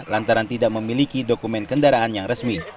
lantaran tidak memiliki dokumen kendaraan yang resmi